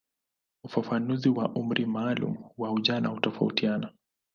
Ufafanuzi wa umri maalumu wa ujana hutofautiana.